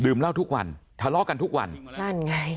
เหล้าทุกวันทะเลาะกันทุกวันนั่นไง